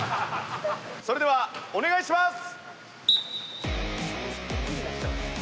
それではお願いします。